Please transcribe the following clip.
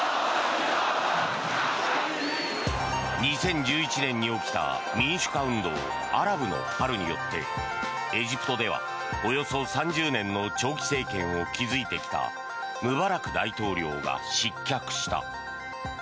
２０１１年に起きた民主化運動アラブの春によってエジプトではおよそ３０年の長期政権を築いてきたムバラク大統領が失脚した。